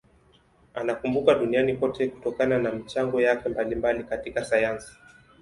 Anakumbukwa duniani kote kutokana na michango yake mbalimbali katika sayansi.